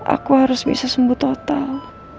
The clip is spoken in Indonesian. aku harus bisa sembuh total